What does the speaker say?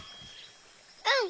うん！